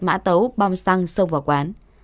mã tấu bom xăng xông vào quán